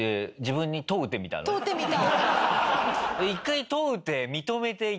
問うてみた。